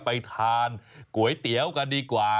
ไปทานก๋วยเตี๋ยวกันดีกว่า